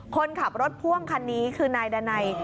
คนขับรถพ่วงคันนี้คือนายดานัย